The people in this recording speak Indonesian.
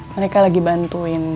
mereka lagi bantuin